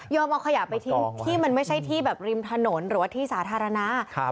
เอาขยะไปทิ้งที่มันไม่ใช่ที่แบบริมถนนหรือว่าที่สาธารณะ